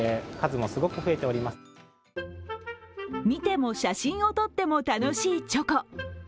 見ても写真を撮っても楽しいチョコ。